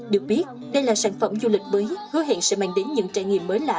được biết đây là sản phẩm du lịch mới hứa hẹn sẽ mang đến những trải nghiệm mới lạ